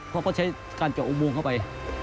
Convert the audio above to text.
เพราะเขาใช้การเกี่ยวกับอุโมงเข้าไป